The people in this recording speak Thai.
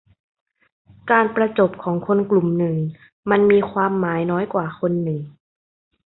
การประจบของคนกลุ่มหนึ่งมันมีความหมายน้อยกว่าคนหนึ่ง